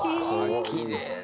きれいな。